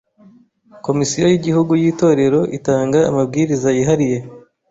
Komisiyo y’Igihugu y’Itorero itanga amabwiriza yihariye